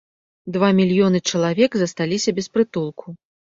Два мільёны чалавек засталіся без прытулку.